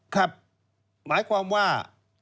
ครับหมายความว่า